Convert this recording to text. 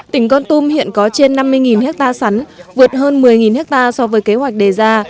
tỉnh con tum hiện có trên năm mươi hectare sắn vượt hơn một mươi hectare so với kế hoạch đề ra